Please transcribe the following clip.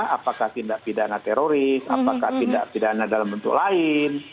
apakah tindak pidana teroris apakah tindak pidana dalam bentuk lain